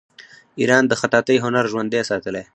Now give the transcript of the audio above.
ایران د خطاطۍ هنر ژوندی ساتلی.